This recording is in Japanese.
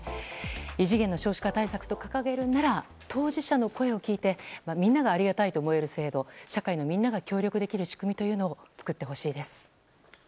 異次元の少子化対策と掲げるなら、当事者の声を聞いてみんながありがたいと思える制度社会のみんなが協力できる仕組みを作ってほしいです。